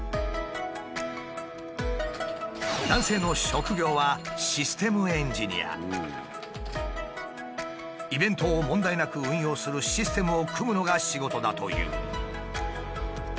男性の職業はイベントを問題なく運用するシステムを組むのが仕事だという。